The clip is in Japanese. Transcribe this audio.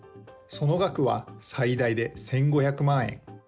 その額は、最大で１５００万円。